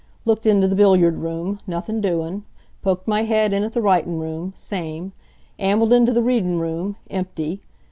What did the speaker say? Looked into the billiard room nothin' doin'. Poked my head in at the writin' room same. Ambled into the readin' room empty.